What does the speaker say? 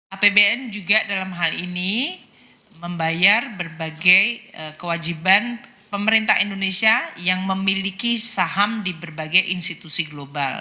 apbn juga dalam hal ini membayar berbagai kewajiban pemerintah indonesia yang memiliki saham di berbagai institusi global